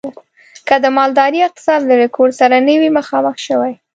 که د مالدارۍ اقتصاد له رکود سره نه وی مخامخ شوی.